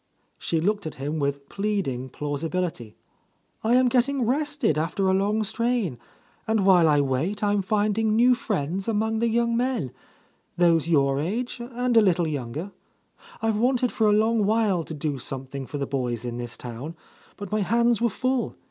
She looked at him with pleading plausibility. "I am getting rested after a long strain. And while I wait, I'm finding new friends among the young men, — those your age, and a little younger. I've wanted for a long while to do something for the boys in this town, but my hands were full.